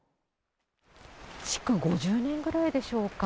築５０年ぐらいでしょうか。